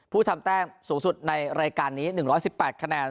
ผู้ทำแต้มสูงสุดในรายการนี้๑๑๘คะแนน